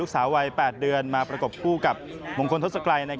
สาววัย๘เดือนมาประกบคู่กับมงคลทศกรัย